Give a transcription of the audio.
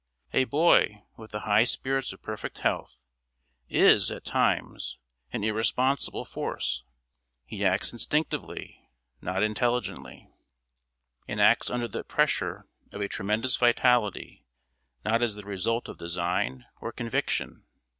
A boy, with the high spirits of perfect health, is, at times, an irresponsible force. He acts instinctively, not intelligently; and he acts under the pressure of a tremendous vitality, not as the result of design or conviction.